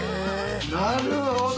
なるほど。